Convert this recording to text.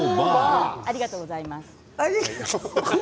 ありがとうございます。